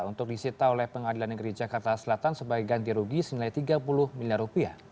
untuk disita oleh pengadilan negeri jakarta selatan sebagai ganti rugi senilai tiga puluh miliar rupiah